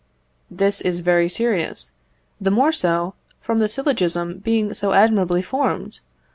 This is very serious; the more so, from the syllogism being so admirably formed.